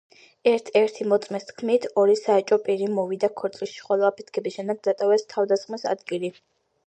ერთ-ერთი მოწმის თქმით, ორი საეჭვო პირი მივიდა ქორწილში, ხოლო აფეთქების შემდეგ დატოვეს თავდასხმის ადგილი.